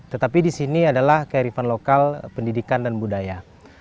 tetapi di sini adalah kearifan lokal pendidikan dan budaya